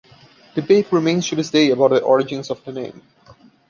Debate remains to this day about the origins of the name.